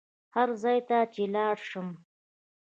هر ځای ته چې لاړ شم.